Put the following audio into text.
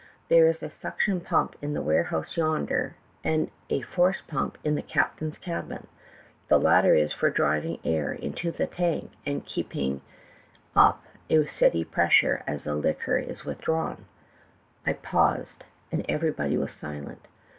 There is a suction pump in the warehouse yonder, and a force pump in the captain's cabin ; the latter is for driving air into the tank and keeping up a steady pressure as the liquor is withdrawn.' "I paused, and everybody was .silent.